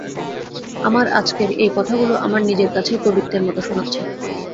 আমার আজকের এই কথাগুলো আমার নিজের কাছেই কবিত্বের মতো শোনাচ্ছে।